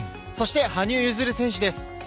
そして羽生結弦選手です。